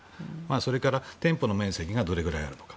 それから、店舗面積がどれぐらいあるのか。